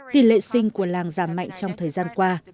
tỷ lệ sinh của làng giảm mạnh trong thời gian qua